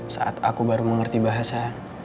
saat aku baru mengerti bahasa